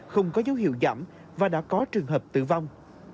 không có dấu hiệu giảm và đã có trường hợp tử vong